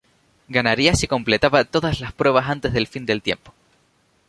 Ganaría si completaba todas las pruebas antes del fin del tiempo.